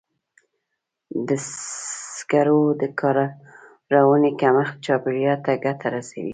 د سکرو د کارونې کمښت چاپېریال ته ګټه رسوي.